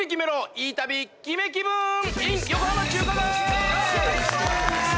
いい旅・キメ気分ｉｎ横浜中華街！